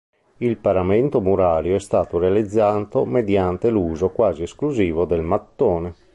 Il paramento murario è stato realizzato mediante l'uso quasi esclusivo del mattone.